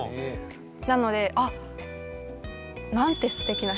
なのであっなんてステキな人。